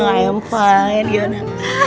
lama banget ya ngetemu